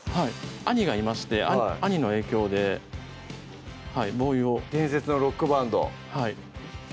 兄がいまして兄の影響でＢＯＷＹを伝説のロックバンドはい